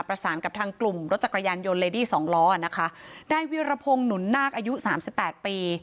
ประสานกับทางกลุ่มรถจักรยานยนต์เลดี้สองล้อนะคะนายเวียรพงศ์หนุนนาคอายุสามสิบแปดปี